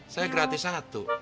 saya gratis satu